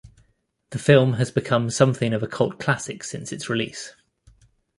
The film has become something of a cult classic since its release.